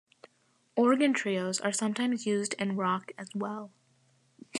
Organ trios are sometimes used in rock as well.